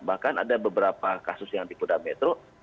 bahkan ada beberapa kasus yang di kuda metro